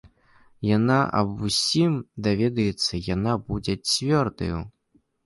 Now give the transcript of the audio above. Яна аб усім даведаецца, яна будзе цвёрдаю.